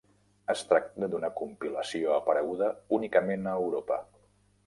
Es tracta d'una compilació apareguda únicament a Europa.